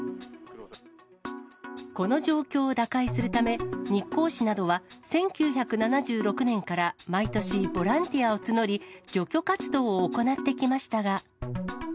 この状況を打開するため、日光市などは１９７６年から毎年ボランティアを募り、除去活動を行ってきましたが。